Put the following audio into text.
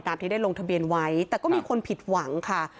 ที่ได้ลงทะเบียนไว้แต่ก็มีคนผิดหวังค่ะ